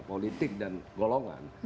politik dan golongan